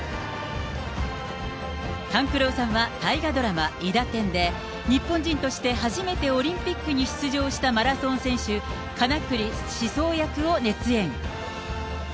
勘九郎さんは大河ドラマ、いだてんで、日本人として初めてオリンピックに出場したマラソン選手、金栗四三役を熱演。